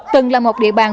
từng là một địa bàn